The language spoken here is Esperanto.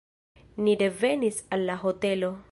Ni revenis al la hotelo.